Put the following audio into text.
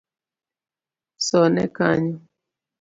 Sone kanyo